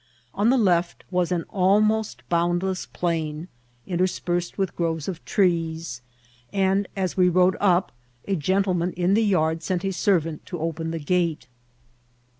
On the left was an almost boundless plain, interspersed with groves qf trees ; and as we rode up a gentleman in the yard sent a servant to open the gate.